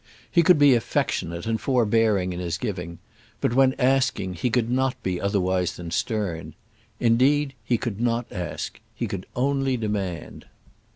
He could be affectionate and forbearing in his giving; but when asking, he could not be otherwise than stern. Indeed, he could not ask; he could only demand.